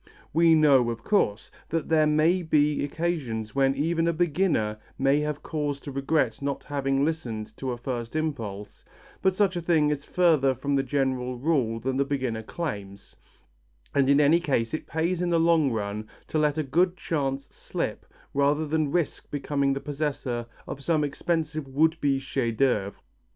We know, of course, that there may be occasions when even a beginner may have cause to regret not having listened to a first impulse, but such a thing is further from the general rule than the beginner claims, and in any case it pays in the long run to let a good chance slip rather than risk becoming the possessor of some expensive would be chef d'œuvre.